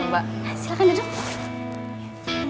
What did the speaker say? beauty salon harga saindar